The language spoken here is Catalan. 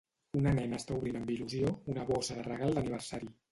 Una nena està obrint amb il·lusió una bossa de regal d'aniversari